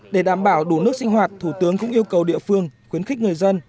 để đảm bảo đủ nước sinh hoạt thủ tướng cũng yêu cầu địa phương khuyến khích người dân